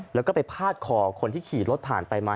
แล้วก็ไปพาดคอคนที่ขี่รถผ่านไปมา